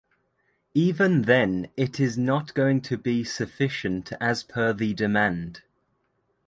Even then it is not going to be sufficient as per the demand.